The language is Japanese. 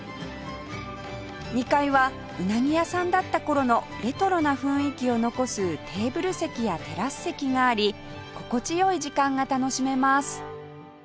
２階はウナギ屋さんだった頃のレトロな雰囲気を残すテーブル席やテラス席があり心地良い時間が楽しめます